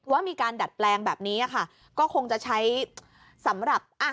ว่ามีการดัดแปลงแบบนี้ค่ะก็คงจะใช้สำหรับอ่ะ